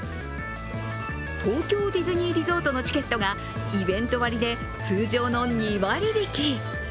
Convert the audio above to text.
東京ディズニーリゾートのチケットがイベント割で、通常の２割引き。